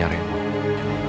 lagi dis catastik